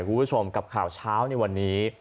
คุณผู้ชมกับข่าวเช้าในวันนี้